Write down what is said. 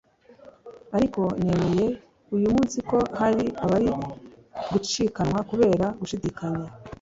ariko nemeye uyu munsi ko hari abari gucikanwa kubera gushidikanya